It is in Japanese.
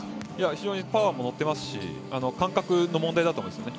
非常にパワーも乗っていますし感覚の問題だと思うんですよね。